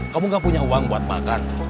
kamu gak punya uang buat makan